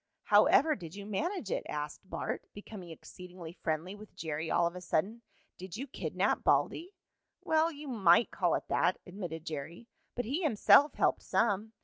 "How ever did you manage it?" asked Bart, becoming exceedingly friendly with Jerry all of a sudden. "Did you kidnap Baldy?" "Well, you might call it that," admitted Jerry. "But he himself helped some.